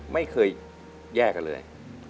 ไม่เคยแยกกันเลย